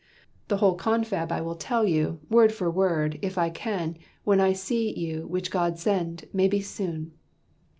"The whole confab I will tell you, word for word if I can when I see you which God send, may be soon."